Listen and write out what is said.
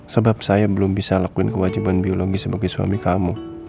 sebab saya belum bisa lakuin kewajiban biologis sebagai suami kamu